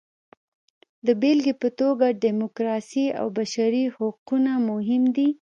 د بېلګې په توګه ډیموکراسي او بشري حقونه مهم دي.